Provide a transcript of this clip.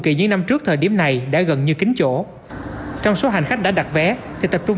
kỳ những năm trước thời điểm này đã gần như kính chỗ trong số hành khách đã đặt vé thì tập trung